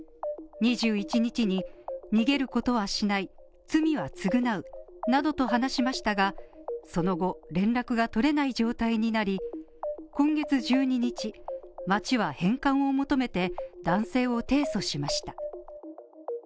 ２１日に逃げることはしない罪は償うなどと話しましたが、その後連絡が取れない状態になり、今月１２日、町は返還を求めて男性を提訴しました。